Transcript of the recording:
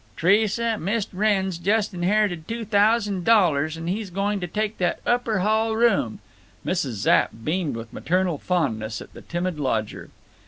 "T'resa, Mist' Wrenn's just inherited two thousand dollars, and he's going to take that upper hall room." Mrs. Zapp beamed with maternal fondness at the timid lodger.